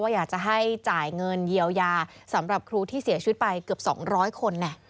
อยากจะให้จ่ายเงินเยียวยาสำหรับครูที่เสียชีวิตไปเกือบ๒๐๐คน